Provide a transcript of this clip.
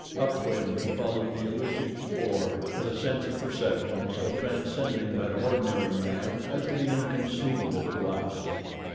Up wind he followed the elusive spoor with a sense of perception so transcending that of ordinary man as to be inconceivable to us.